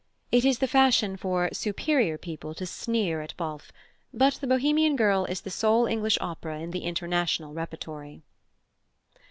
It is the fashion for "superior people" to sneer at Balfe, but The Bohemian Girl is the sole English opera in the international repertory.